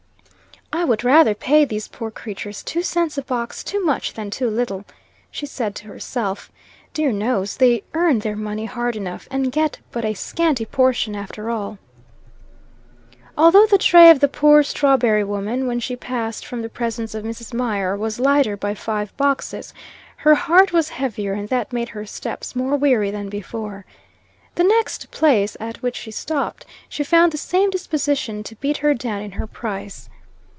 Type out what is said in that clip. "I would rather pay these poor creatures two cents a box too much than too little," she said to herself "dear knows, they earn their money hard enough, and get but a scanty portion after all." Although the tray of the poor strawberry woman, when she passed from the presence of Mrs. Mier, was lighter by five boxes, her heart was heavier, and that made her steps more weary than before. The next place at which she stopped, she found the same disposition to beat her down in her price.